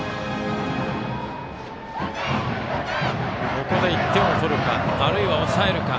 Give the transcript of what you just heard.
ここで１点取るかあるいは抑えるか。